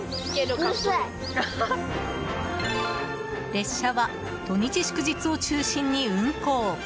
列車は土日祝日を中心に運行。